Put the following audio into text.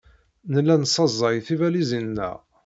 Nella nessaẓay tibalizin-nneɣ.